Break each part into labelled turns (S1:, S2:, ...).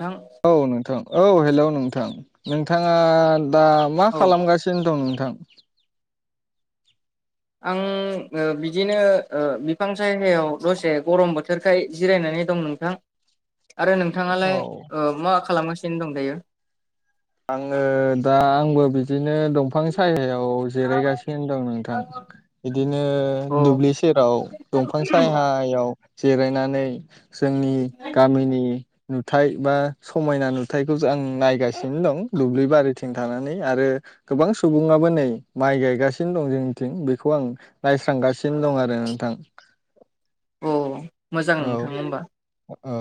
S1: नोंथां
S2: औ नोंथां औ हेलौ नोंथां नोंथाङा दा मा
S1: औ
S2: खालामगासिनो दं नोंथां
S1: आं ओ बिदिनो ओ। बिफां सायनायायाव दसे गरम बोथोरखाय जिरायनानै दं नोंथां। आरो
S2: औ
S1: नोंथाङालाय ओ मा खालामगासिनो दं दायो
S2: आङो दा आंबो बिदिनो दंफां सायायाव जिरायगासिनो दं नोंथां।
S1: अ
S2: बिदिनो दुब्लि सेराव दंफां साहायाव। जिरायनानै जोंनि गामिनि। नुथाय बा समायना नुथायखौसो आं नायगासिनो। नो दं दुब्लि बारिथिं थानानै आरो। गोबां सुबुङाबो नै माइ गायगासिनो दं जोंनिथिं बेखौ आं नायस्रांगासिनो दं आरो नोंथां।
S1: अ मोजां
S2: औ
S1: नोंथां होमबा।
S2: औ औ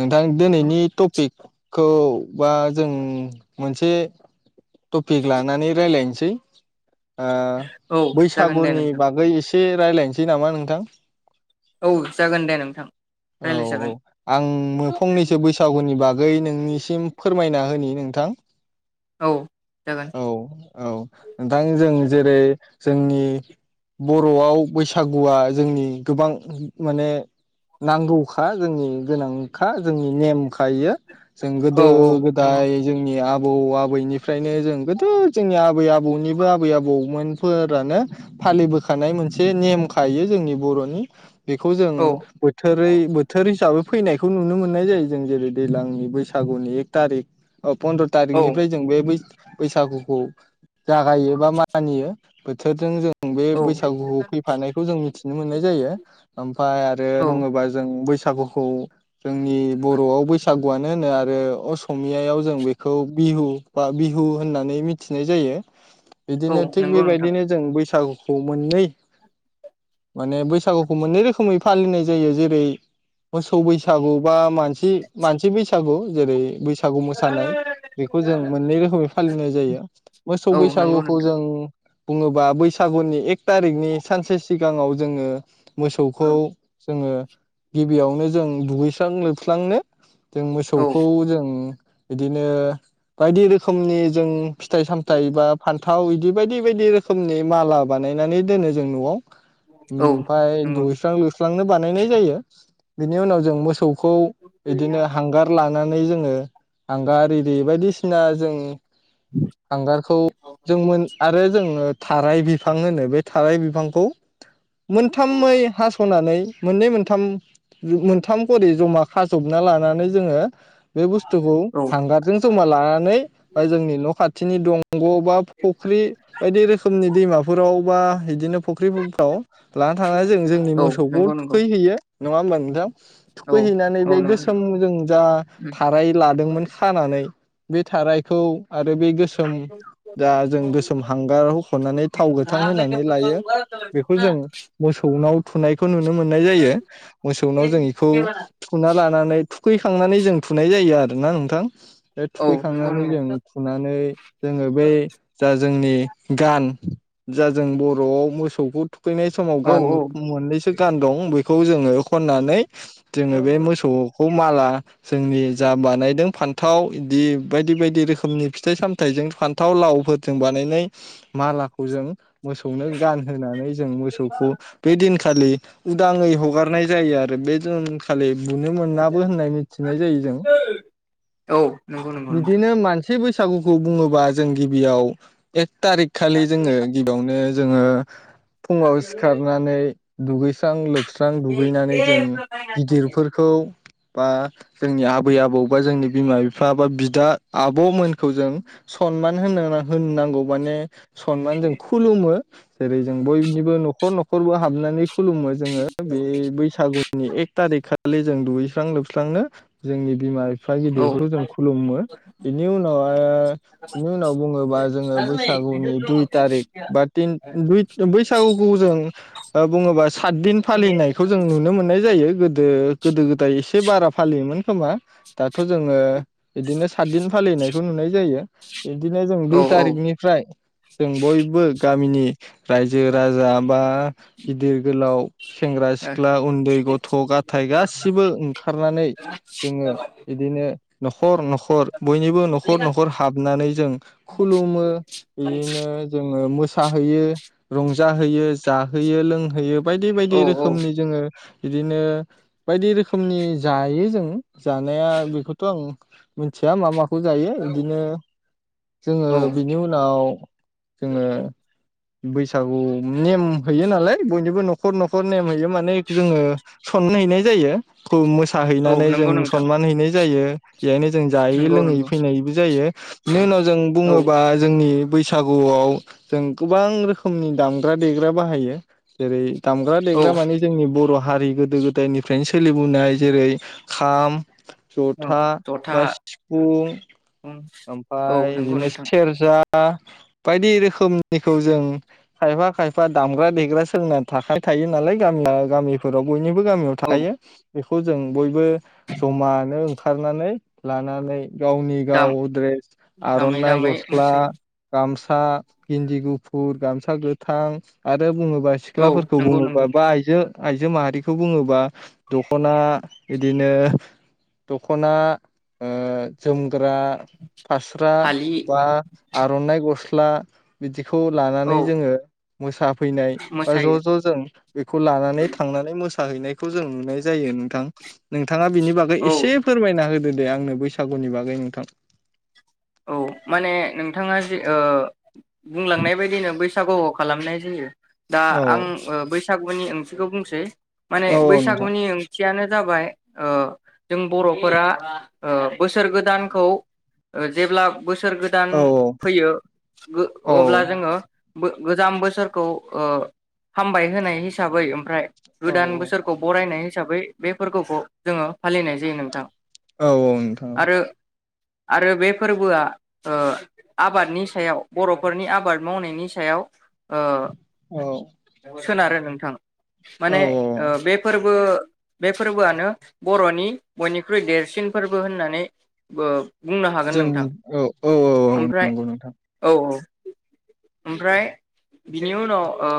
S2: नोंथां दिनैनि टपिकखौ बा। जों मोनसे टपिक लानानै रायलायनोसै आ
S1: औ जागोन दे
S2: बैसागुनि
S1: नोंथां
S2: बागै एसे रायलायनोसै नामा नोंथां।
S1: औ जागोन दे नों
S2: औ औ आं फंनैसो बैसागुनि बागै नोंनिसिम फोरमायना। होनि नोंथां।
S1: औ
S2: औ
S1: [inaudible]
S2: औ नोंथां जों जेरै जोंनि। बर'आव बैसागुआ जोंनि गोबां माने। नांगौखा जोंनि गोनांखा जोंनि नेमखा इयो जों
S1: औ
S2: गोदो
S1: औ
S2: गो।
S1: नंगौ
S2: जोंनि आबौ आबैनिफ्रायनो जों गोदो जोंनि आबै आबौनिबो आबै आबौमोन। फोरानो फालिबोखानाय मोनसे नेम खायो जोंनि बर'नि बेखौ जों।
S1: औ
S2: बोथोरै बोथोर हिसाबै फैनायखौ नुनो मोननाय जायो जों जेरै दैज्लांनि बैसागुनि एक थारिक। ओ पन्द्र'
S1: औ
S2: थारिखनिफ्राय जों बेै बैसागुखौ जागायो बा मानियो। बोथोरजों जों बे
S1: औ
S2: बैसागु फैफानायखौ जों मिथिनो मोननाय जायो। ओमफाय आरो
S1: औ
S2: बुङोबा जों बैसागुखौ। जोंनि बर'आव बैसागुआनो होनो आरो अस अमियायाव जों बेखौ बिहु बा बिहु होननानै मिथिनाय जायो।
S1: औ
S2: बिदिनो थिग
S1: नंगौ नोंथां
S2: बेबायदिनो जों बैसागुखौ मोननै माने बैसागुखौ मोननै रोखोमै फालिनाय जायो जेरै मोसौ बैसागु बा मानसि मानसि बैसागु जेरै। बैसागु मोसानाय बेखौ जों मोननै रोखोमनि फालिनाय जायो मोसौ
S1: औ नंगौ
S2: बैसागुखौ
S1: नोंथां
S2: जों बुङोबा बैसागुनि एक थारिकनि सानसे सिगाङाव जोङो मोसौखौ जोङो गिबियावनो जों दुगैस्रां लोबस्रांनो जों
S1: औ
S2: मोसौखौ जों बिदिनो बायदि रोखोमनि जों फिथाइ सामथायाइ बा फान्थाव बिदि बायदि बायदि रोखोमनि माला बानायनानै दोनो जों न'आव
S1: औ
S2: ओमफाय
S1: नंगौ
S2: दुइस्रां लुस्रांनो बानायनाय जायो बेनि उनाव जों मोसौ खौ बिदिनो हांगार लानानै जोङो हांगार इरि बायदिसिना जों हांगारखौ जों मोन आरो जोङो थाराय बिफां होनो बे थाराय बिफांखौ मोनथामै हास'नानै मोननै मोनथाम मोनथाम खरि जमा खाज'बना लानानै जोङो बे बुस्थुखौ
S1: औ
S2: हांगारजों जमा लानानै बा जोंनि न' खाथिनि दंग' बा फख्रि बायदि रोखोमनि दैमाफोराव बा बिदिनो फख्रिफ्राव लाना थांनानै जों जोंनि
S1: औ
S2: मोसौखौ
S1: नंगौ नंगौ
S2: थुखैहैयो। नङा होमबा नोंथां!
S1: औ
S2: थुखैहैनानै
S1: औ
S2: बे
S1: नंगौ
S2: गोसोमजों जा थाराय लादोंमोन खानानै बे थारायखौ आरो बे गोसोम दा जों गोसोम हांगार होख'नानै थाव गोथां होनानै लायो बेखौ जों मोसौनाव थुनायखौ नुनो मोननाय जायो मोसौनाव जों इखौ थुना लानानै थुखैखांनानै जों थुनाय जायो आरोना नोंथां। बे
S1: औ नंगौ
S2: थुखैखांनानै
S1: नंगौ
S2: जों थुनानै जोङो बै जा जोंनि गान जा जों बर'आव मोसौखौ थुखैनाय समाव
S1: औ
S2: गान
S1: औ
S2: मोननैसो गान दं बेखौ जोङो खननानै जोङो बे मोसौखौ माला जोंनि जा बानायदों फान्थाव बिदि बायदि बायदि रोखोमनि फिथाइ सामथाइजों फान्थाव लावफोरजों बानायनाय मालाखौ जों मोसौनो गानहोनानै जों मोसौखौ बे दिनखालि उदाङै हगारनाय जायो आरो बे दिनखालि बुनो मोननाबो होननाय मिथिनाय जायो जों
S1: औ नंगौ नंगौ नंगौ नोंथां।
S2: बिदिनो मानसि बैसागुखौ बुङोबा जों गिबियाव एक थारिक खालि जोङो गि बियावनो जोङो फुङाव सिखारनानै दुगैस्रां लोब स्रां दुगैनानै जों गिदिरफोरखौ बा जोंनि आ बै आबौ बा जोंनि बिमा बिफा बा बिदा आब'मोनखौ जों सनमान होनो होननांगौ माने सनमान जों खुलुमो जेरै जों बयनिबो न'खर न'खरबो हाबनानै खुलुमो। जोङो बे बैसागुनि एक थारिख खालि जों दुगैस्रां लोबस्रांनो जोंनि बिमा बिफा
S1: औ
S2: गिदिरफोरखौ जों खुलुमो बिनि उनाव आरो बिनि उनाव बुङोबा जोङो बैसागुनि दुइ थारिख बा तिन बै बैसागुखौ जों ओ बुङोबा सात दिन फालिनायखौ जों नुनो मोननाय जायो गोदो गोदो गोदाय एसे बारा फालियोमोन। समा दाथ' जोङो बिदिनो सातदिन फालिनायखौ नुनाय जायो। बिदिनो जों
S1: औ
S2: दुइ
S1: औ
S2: थारिखनिफ्राय जों बयबो गामिनि रायजो राजा बा गिदिर गोलाव सेंग्रा सिख्ला उन्दै गथ' गथाय गासिबो ओंखारनानै ङ बिदिनो न'खर न'खर बयनिबो न'खर न'खर हाबनानै जों खुलुमो बिदिनो जोङो मोसा होयो रंजाहोयो जाहोयो लोनहोयो बायदि-बायदि
S1: औ
S2: रोखोमनि जोङो बिदिनो बायदि रोखोमनि जायो जों जानाया बेखौथ' आं मिथिया मा माखौ जायो इदिनो जोङो
S1: औ
S2: बिनि उनाव जोङो बैसागु नेम होयो नालाय बयनिबो न'ख न'खर-न'खर नेम हैयो माने जोङो सन [unintelligible] हैनाय जायो
S1: औ
S2: मोसाहैनानै जों
S1: नंगौ नोंथां
S2: मान हैनाय जायो इहायनो जों
S1: नंगौ
S2: जायै-लोङै
S1: नंगौ
S2: फैनायबो जायो इनि उनाव जों
S1: औ
S2: बुङोबा जोंनि बैस [unintelligible] सागुआव जों गोबां रोखोमनि दामग्रा देग्रा बाहायो जेरै दामग्रा
S1: औ
S2: देग्रा मानि जोंनि बर' हारि गोदो गोदायनिफ्रायनो सोलिबोनाय जेरै खाम
S1: औ
S2: जथा
S1: जथा
S2: बा सिफुं
S1: औ
S2: ओमफाय
S1: नंगौ
S2: बिदिनो
S1: नोंथां
S2: सेरजा बायदि रोखोमनिखौ जों खायफा खायफा दामग्रा देग्रा सोलोंना थाखा [unintelligible] थायो नालाय गामिया [unintelligible] गामि फोराव बयनिबो गामियाव
S1: औ
S2: थाखायो बेखौ जों बयबो जमानो ओंखारनानै लानानै गावनि
S1: दाम
S2: गाव द्रेस
S1: दामै
S2: आर'नाइ
S1: दामै
S2: गस्ला
S1: मोसायो
S2: गामसा गिन्दि गुफुर गामसा गोथां आरो बुङोबा
S1: औ
S2: सिख्लाफोरखौ
S1: नंगौ नंगौ
S2: बुङोबा बा आइजो आइजो माहारिखौ बुङोबा दख'ना इदिनो दख'ना ओ जोमग्रा फास्रा
S1: फालि
S2: बा आर'नाइ गस्ला बिदिखौ
S1: औ
S2: लानानै जोङो मोसाफैनाय बा ज'
S1: मोसायो
S2: ज' जों बेखौ लानानै थांनानै मोसाहैनायखौ जों नुनाय जायो नोंथां नोंथाङा बिनि बागै
S1: औ
S2: एसे फोरमायना होदो दे आंनो बैसागुनि बागै नोंथां
S1: औ माने नोंथाङा जे ओ बुंलांनाय बायदिनो बैसागुआव खालामनाय जायो दा
S2: औ
S1: आं ओ बैसागुनि ओंथिखौ बुंसै माने
S2: औ औ नोंथां
S1: बैसागुनि ओं थियानो जाबाय ओ जों बर'फोरा ओ बोसोर गोदानखौ ओ जेब्ला बोसोर गोदान
S2: औ
S1: फैयो गो
S2: औ
S1: अब्ला जोङो बो गोजाम बोसोरखौ ओ हामबाय होनाय हिसाबै ओमफ्राय
S2: औ
S1: गोदान बोसोरखौ बरायनाय हिसाबै बे फोरबोखौ जोङो फालिनाय जायो नोंथां
S2: औ औ नोंथां औ
S1: आरो आरो बे फोरबोआ ओ आबादनि सायाव बर'फोरनि आबाद मावनायनि सायाव ओ
S2: औ
S1: सोनारो नोंथां
S2: औ
S1: माने ओ
S2: औ
S1: बे फोरबो बे फोरबोआनो बर'नि बयनिख्रुइ देरसिन फोरबो होननानै बो बुंनो हागोन
S2: जों
S1: नोंथां
S2: औ औ औ
S1: ओमफ्राय
S2: नंगौ नोंथां
S1: औ औ ओमफ्राय बिनि उनाव ओ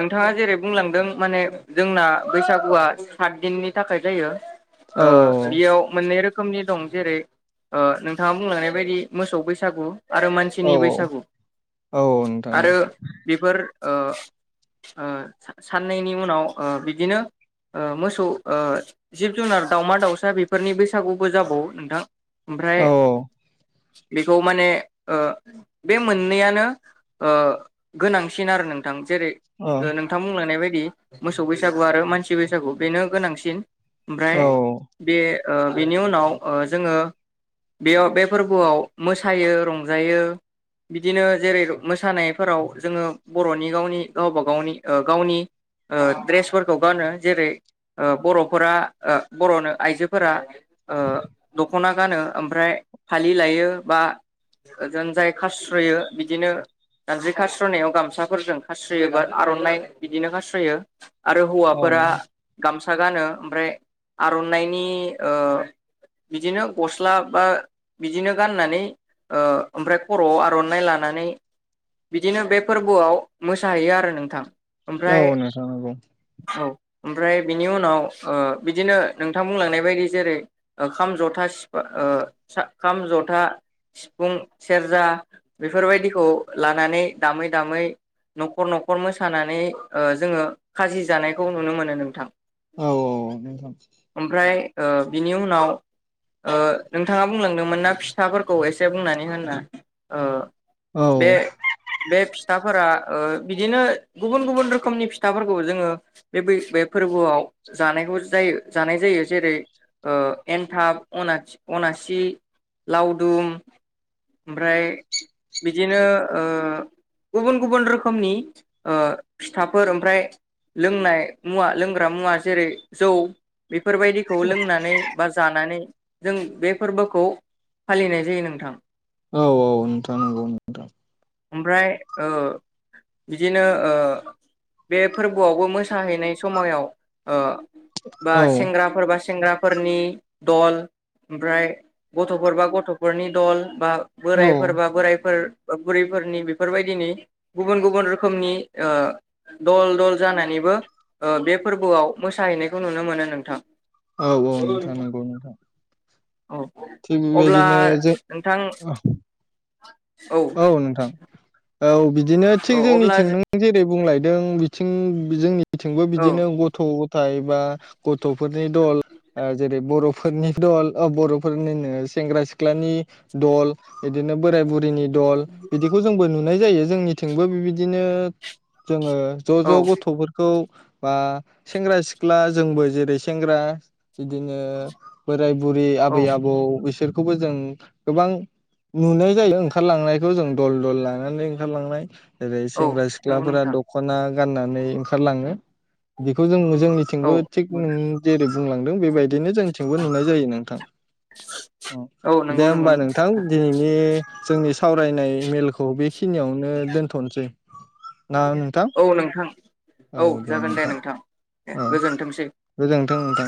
S1: नोंथाङा जेरै बुंलांदों माने जोंना बैसागुआ सात दिननि थाखाय जायो
S2: औ
S1: ओ बेयाव मोननै रोखोमनि दं जेरै ओ नोंथाङा बुंलांनाय बायदि मोसौ बैसागु आरो
S2: औ
S1: मानसिनि बैसागु
S2: औ नोंथां औ
S1: आरो बेफोर ओ ओ सा साननैनि उनाव ओ बिदिनो ओ मोसौ ओ जिब- जुनार दाउमा -दाउसा बेफोरनि बैसागुबो जाबावो नोंथां ओमफ्राय
S2: औ औ
S1: बेखौ माने ओ बे मोननैयानो ओ गोनांसिन आरो नोंथां जेरै
S2: औ
S1: नोंथां बुंलायनाय मोसौ बैसागु मानसि बैसागु बेनो गोनांसिन ओमफ्राय
S2: औ
S1: बे ओ बेनि उनाव जोङो बेयाव बे फोरबोआव मोसायो, रंजायो बिदिनो जेरै मोसानायफोराव जोङो बर'नि गावनि गावबा- गावनि -गावनि ओ ड्रेसफोरखौ गानो जेरै ओ बरफोरा- बरनो आइजोफोरा ओ दखना गानो ओमफ्राय फालि लायो बा ओजों जाय खास्रयो बिदिनो जानजाय खास्रनायाव गामसाफोरजों खारास्रयोबा आरनाइ बिदिनो खास्रयो। आरो
S2: औ
S1: हौवाफोरा गामसा गानो ओमफ्राय आरनाइनि ओ बिदिनो गस्ला बा बिदिनो गाननानै ओ ओमफ्राय खरआव आरनाइ लानानै बिदिनो बे फोरबोआव मोसाहैयो आरो नोंथां। ओमफ्राय
S2: औ नोंथां औ।
S1: औ ओमफ्राय बिनि उनाव ओ बिदिनो नोंथां बुंलांनाय बायदि जेरै- ओ खाम, जथा सिफुं, ओ खाम, जथा सिफुं सेरजा बेफोरबायदिखौ लानानै दामै- दामै नखर- नखर‌ मोसानानै ओ जोङो खाजि जानायखौ नुनो मोनो नोंथां।
S2: औ औ नोंथाङा
S1: ओमफ्राय ओ बिनि उनाव ओ नोंथाङा बुंलांदोंमोन ना फिथाफोरखौ एसे बुंनानै हो होनना ओ
S2: औ
S1: बे बे फिथाफोरा ओ बिदिनो गुबुन- गुबुन रोखोमनि फिथाफोरखौ जोङो बे -बै बे- फोरबोआव जानायखौ जायो जानाय जायो जेरै ओ एनथाब, अनाथि, अनासि, लावदुम ओमफ्राय बिदिनो ओ गुबुन-गुबुन रोखोमनि ओ फिथाफोर ओमफ्राय लोंनाय मुवा लोंग्रा मुवा जेरै, जौ, बेफोरबायदि खौ लोंनानै बा जानानै जों बे फोरबोखौ फालिनाय जायो नोंथां।
S2: औ औ नोंथां नंगौ नोंथां।
S1: ओमफ्राय ओ बिदिनो ओ बे फोरबोआवबो मोसाहैनाय समयाव ओ बा
S2: औ
S1: सेंग्राफोर बा सेंग्रा फोरनि दल, ओमफ्राय गथफोर बा गथफोरनि दल, बा
S2: औ
S1: बोरायफोरबा बोरायफोर- बा बुरैफोरनि बेफोरबायदिनि गुबुन, गुबुन रोखोमनि औ दल, दल जानानैबो बे फोरबोआव मोसाहैनायखौ नुनो मोनो नोंथां।
S2: औ औ नोंथां नंगौ नोंथां।
S1: औ
S2: थिग
S1: अब्ला
S2: बेबायदिनो जों
S1: नोंथां औ
S2: नोंथां औ बिदिनो थिग
S1: औ अब्ला
S2: जोंनिथिं नों जेरै बुंलायदों बिथिं जोंनि बिथिंबो
S1: औ
S2: बिदिनो गथ गथाय बा गथफोरनि दल ओ जेरै बर फोरनि दल ओ बरफोरनि नो सेंग्रा-सिख्लानि दल बिदिनो बोराय बुरिनि दल बिदिखौ जोंबो नुनाय जायो जोंनिथिंबो बिबिदिनो जोङो ज,
S1: औ
S2: ज गथफोरखौ बा सेंग्रा सिख्ला जोंबो जेरै सेंग्रा बिदिनो बोराय बुरै आबै
S1: औ
S2: आबौ बिसोरखौबो जों गोबां नुनाय जायो ओं ओंखारलांनायखौ जों दल दल लानानै ओंखारलांनाय जेरै
S1: औ
S2: सेंग्रा
S1: नंगौ
S2: सिख्लाफोरा
S1: नोंथां
S2: दखना गाननानै ओंखारलाङो बेखौ जों जोंनिथिं
S1: औ
S2: थिंबो थिग नों जेरै बुंलांदों बेबायदिनो जोंथिंबो नुनाय जायो नोंथां।
S1: औ नंगौ
S2: दे
S1: नंगौ
S2: होमबा नोंथां दिनैनि जोंनि सावरायनाय मेलखौ बेखिनियावनो दोनथनोसै। ना नोंथां
S1: औ नोंथां औ जागोन दे नोंथां दे
S2: औ
S1: गोजोनथोंसै।
S2: गोजोनथों नोंथां।